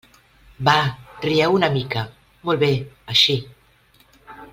Va, rieu una mica, molt bé, així!